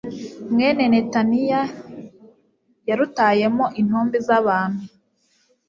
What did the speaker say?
mwene netaniya yarutayemo intumbi z'abantu